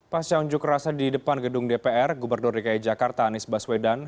pasca unjuk rasa di depan gedung dpr gubernur dki jakarta anies baswedan